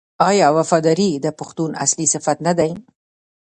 آیا وفاداري د پښتون اصلي صفت نه دی؟